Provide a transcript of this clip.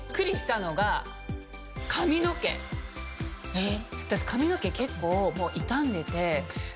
えっ？